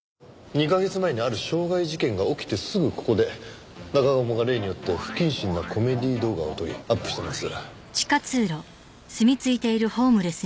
２カ月前にある傷害事件が起きてすぐここで中鴨が例によって不謹慎なコメディー動画を撮りアップしてます。